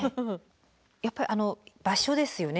やっぱりあの場所ですよね。